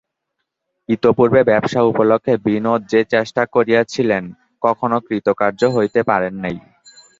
ইতিপূর্বে ব্যবসা উপলক্ষে বিনোদ সে চেষ্টা করিয়াছিলেন, কখনো কৃতকার্য হইতে পারেন নাই।